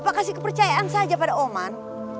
maksud sam barusan siapaan